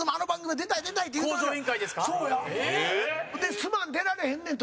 すまん、出られへんねんと。